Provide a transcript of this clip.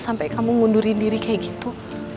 sampai kamu ngundurin diri kayak gitu